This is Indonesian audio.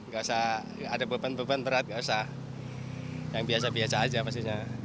gak usah ada beban beban berat nggak usah yang biasa biasa aja pastinya